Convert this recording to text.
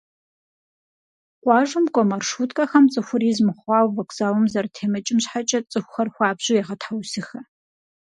Къуажэм кӏуэ маршруткэхэм цӏыхур из мыхъуауэ вокзалым зэрытемыкӏым щхьэкӏэ цӏыхухэр хуабжьу егъэтхьэусыхэ.